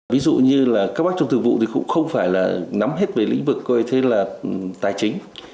ví dụ như là các bác trong thường vụ thì cũng không phải là nắm hết về lĩnh vực coi thế là tài chính